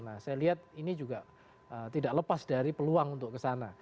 nah saya lihat ini juga tidak lepas dari peluang untuk kesana